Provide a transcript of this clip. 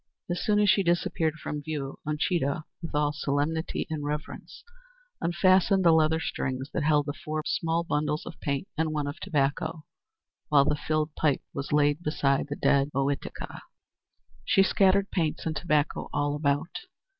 As soon as she disappeared from view, Uncheedah, with all solemnity and reverence, unfastened the leather strings that held the four small bundles of paints and one of tobacco, while the filled pipe was laid beside the dead Ohitika. She scattered paints and tobacco all about.